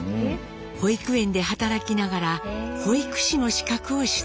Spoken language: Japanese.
保育園で働きながら保育士の資格を取得。